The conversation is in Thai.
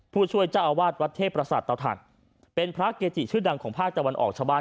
ผู้ช่วยเจ้าอาวาสวัดเทพประสาทเตาถัดเป็นพระเกจิชื่อดังของภาคตะวันออกชาวบ้าน